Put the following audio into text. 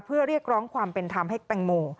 เพื่อเรียกร้องความเป็นธรรมให้แตงโม